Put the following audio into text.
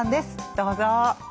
どうぞ。